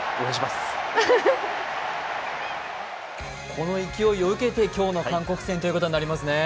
この勢いを受けて今日の韓国戦ということになりますね。